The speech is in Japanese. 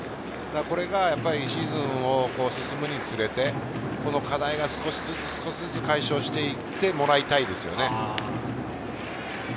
これがシーズンを進むにつれて、この課題が少しずつ少しずつ解消していってもらいたいですよね。